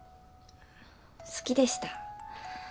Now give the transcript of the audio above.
好きでした。